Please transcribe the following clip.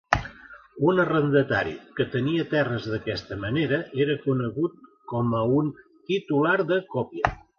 Un arrendatari que tenia terres d'aquesta manera era conegut com a un "titular de còpia".